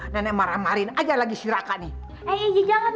jangan coba coba mendekat